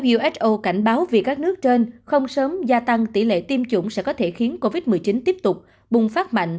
uso cảnh báo vì các nước trên không sớm gia tăng tỷ lệ tiêm chủng sẽ có thể khiến covid một mươi chín tiếp tục bùng phát mạnh